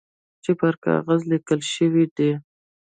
چي پر کاغذ لیکل شوي دي .